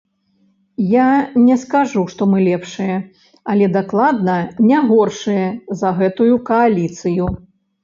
Я не скажу, што мы лепшыя, але дакладна не горшыя за гэтую кааліцыю.